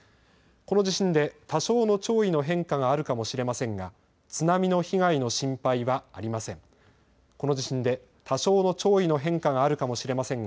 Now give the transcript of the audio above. この地震で多少の潮位の変化があるかもしれませんが津波の被害の心配はありません。